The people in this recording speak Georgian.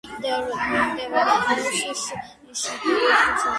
მდებარეობს შიდა ქართლის ჩრდილოეთ მთისწინეთში.